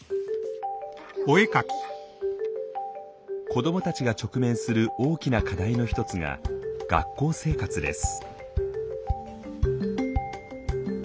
子どもたちが直面する大きな課題の一つが学校生活です。